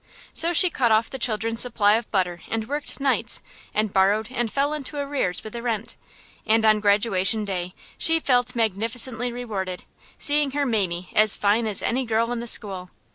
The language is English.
So she cut off the children's supply of butter and worked nights and borrowed and fell into arrears with the rent; and on Graduation Day she felt magnificently rewarded, seeing her Mamie as fine as any girl in the school.